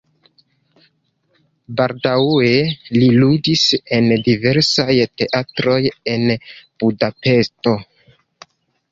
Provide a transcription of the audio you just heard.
Baldaŭe li ludis en diversaj teatroj en Budapeŝto.